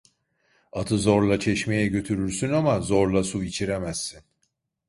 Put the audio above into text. Atı zorla çeşmeye götürürsün ama, zorla su içiremezsin!